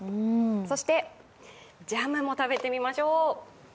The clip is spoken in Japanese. そして、ジャムも食べてみましょう。